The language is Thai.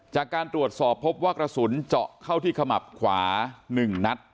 จากการตรวจสอบพบว่ากระสุนเจาะเข้าที่ขมับขวา๑นัด